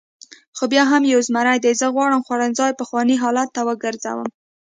خو بیا هم یو زمري دی، زه غواړم خوړنځای پخواني حالت ته وګرځوم.